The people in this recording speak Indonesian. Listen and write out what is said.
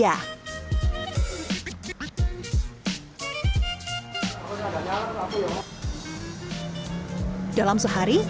dalam sehari rumah makan tahu campur cak bejo ojo lali